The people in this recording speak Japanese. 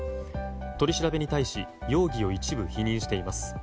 取り調べに対し容疑を一部否認しています。